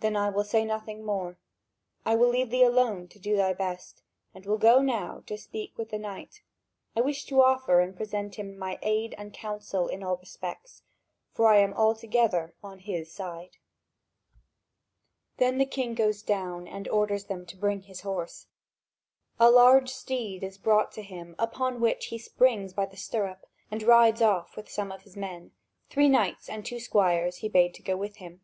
"Then I will say nothing more. I will leave thee alone to do thy best and will go now to speak with the knight. I wish to offer and present to him my aid and counsel in all respects; for I am altogether on his side." (Vv. 3319 3490.) Then the king goes down and orders them to bring his horse. A large steed is brought to him, upon which he springs by the stirrup, and he rides off with some of his men: three knights and two squires he bade to go with him.